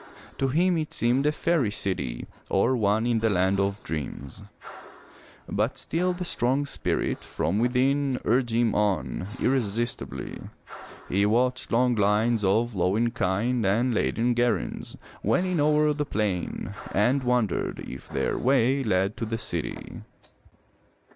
To him it seemed a fairy city or one in the land of dreams. But still the strong spirit from within urged him on, irresistibly. He watched long lines of lowing kine and 398 FROM THE TOWER WINDOW laden garrans^ wending o'er the plain and wondered if their way led to the city.